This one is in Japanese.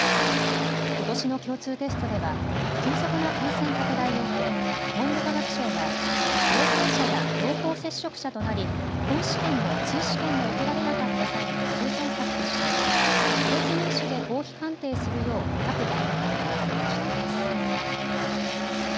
ことしの共通テストでは急速な感染拡大を受け文部科学省が陽性者や濃厚接触者となり本試験も追試験も受けられなかった際の救済策として個別入試で合否判定するよう各大学に要請をしています。